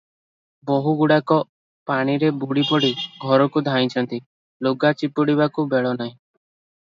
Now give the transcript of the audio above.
ବୋହୂଗୁଡ଼ାକ ପାଣିରେ ବୁଡ଼ିପଡ଼ି ଘରକୁ ଧାଇଁଛନ୍ତି, ଲୁଗା ଚିପୁଡ଼ିବାକୁ ବେଳନାହିଁ ।